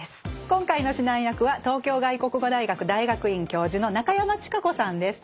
今回の指南役は東京外国語大学大学院教授の中山智香子さんです。